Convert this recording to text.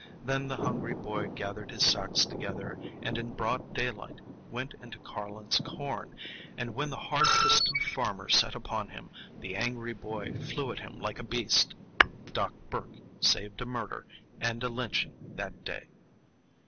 Then the hungry boy gathered his sacks together, and in broad daylight went into Carlon's corn; and when the hard fisted farmer set upon him, the angry boy flew at him like a beast. Doc Burke saved a murder and a lynching that day.